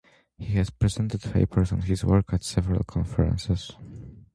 He has presented papers on his work at several conferences.